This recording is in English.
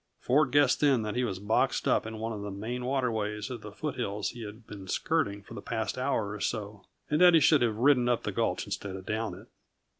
Ford guessed then that he was boxed up in one of the main waterways of the foot hills he had been skirting for the past hour or so, and that he should have ridden up the gulch instead of down it.